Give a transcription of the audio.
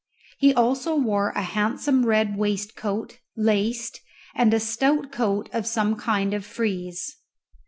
He also wore a handsome red waistcoat, laced, and a stout coat of a kind of frieze.